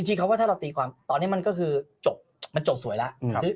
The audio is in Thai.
จริงคำว่าถ้าเราตีความตอนนี้มันก็คือจบมันจบสวยแล้ว